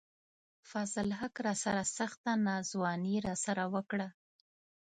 فضل الحق راسره سخته ناځواني راسره وڪړه